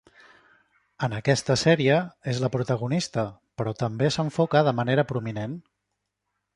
En aquesta sèrie, és la protagonista, però també s'enfoca de manera prominent.